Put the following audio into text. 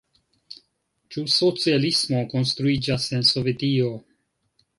Ĉu socialismo konstruiĝas en Sovetio?